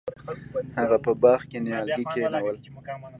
هغه په باغ کې نیالګي کینول.